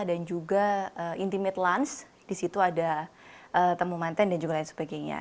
dan juga intimate lunch di situ ada temum anten dan lain sebagainya